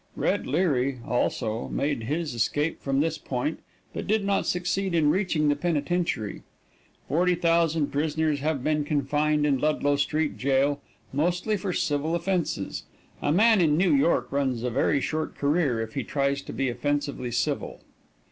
Red Leary, also, made his escape from this point, but did not succeed in reaching the penitentiary. Forty thousand prisoners have been confined in Ludlow Street Jail, mostly for civil offenses. A man in New York runs a very short career if he tries to be offensively civil.